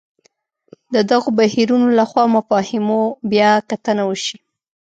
د دغو بهیرونو له خوا مفاهیمو بیا کتنه وشي.